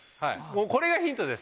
これがヒントです。